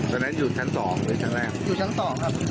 เพราะฉะนั้นอยู่ชั้น๒หรือชั้นแรกอยู่ชั้น๒ครับ